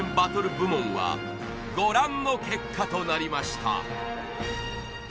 部門はご覧の結果となりました